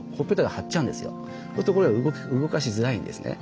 そうするとこれが動かしづらいんですね。